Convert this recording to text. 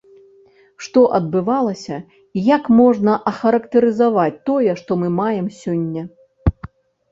Што адбывалася і як можна ахарактарызаваць тое, што мы маем сёння?